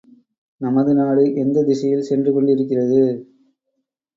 நமது நாடு எந்தத் திசையில் சென்று கொண்டிருக்கிறது?